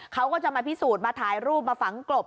เขาก็จะมาพิสูจน์มาถ่ายรูปมาฝังกลบ